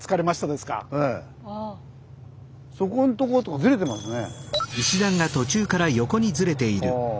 そこんとことかずれてますね。